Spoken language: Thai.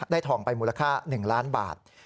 ทองไปมูลค่า๑ล้านบาท